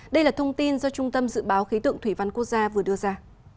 đây là thông tin do trung tâm dự báo khí tượng thủy văn quốc gia vừa đưa ra